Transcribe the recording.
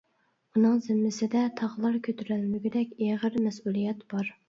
ئۇنىڭ زىممىسىدە تاغلار كۆتۈرەلمىگۈدەك ئېغىر مەسئۇلىيەت بار.